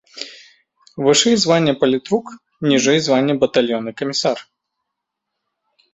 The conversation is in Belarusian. Вышэй звання палітрук, ніжэй звання батальённы камісар.